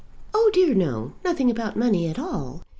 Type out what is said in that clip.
"Oh, dear, no! Nothing about money at all.